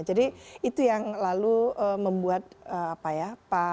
jadi itu yang lalu membuat pak tgb